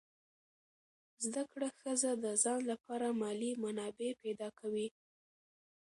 زده کړه ښځه د ځان لپاره مالي منابع پیدا کوي.